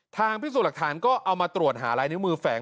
พิสูจน์หลักฐานก็เอามาตรวจหาลายนิ้วมือแฝง